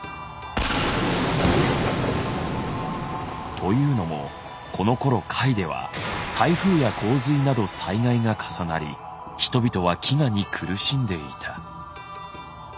というのもこのころ甲斐では台風や洪水など災害が重なり人々は飢餓に苦しんでいた。